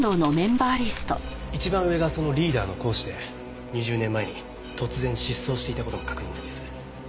一番上がそのリーダーの講師で２０年前に突然失踪していた事も確認済みです。